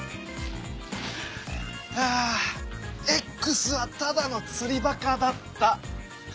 あＸはただの釣りバカだった。